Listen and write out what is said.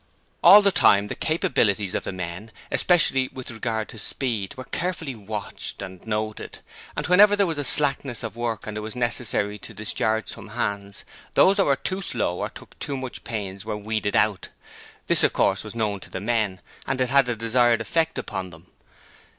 All the time the capabilities of the men especially with regard to speed were carefully watched and noted: and whenever there was a slackness of work and it was necessary to discharge some hands those that were slow or took too much pains were weeded out: this of course was known to the men and it had the desired effect upon them.